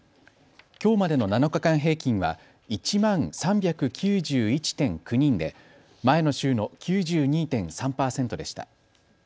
きょうまでの７日間平均は１万３９１．９人で前の週の９２．３％でした。